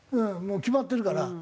もう決まってるから。